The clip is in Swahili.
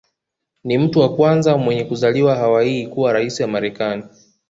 Ni mtu wa kwanza mwenye kuzaliwa Hawaii kuwa rais wa Marekani